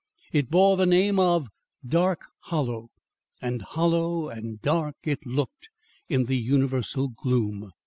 It bore the name of Dark Hollow, and hollow and dark it looked in the universal gloom.